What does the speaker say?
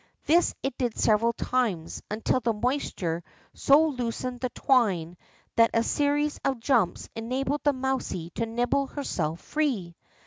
This it did several times, until the moisture so loosened the twine that a series of jumps enabled the mouse to nibble herself free.